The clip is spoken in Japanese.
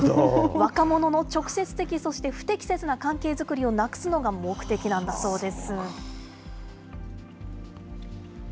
若者の直接的、そして不適切な関係作りをなくすのが目的なんだそうです。